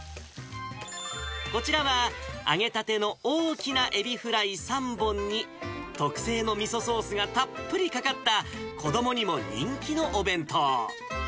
こちらは揚げたての大きなエビフライ３本に、特製のみそソースがたっぷりかかった、子どもにも人気のお弁当。